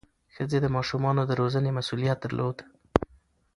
ښځې د ماشومانو د روزنې مسؤلیت درلود.